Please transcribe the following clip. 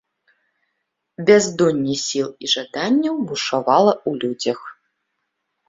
Бяздонне сіл і жаданняў бушавала ў людзях.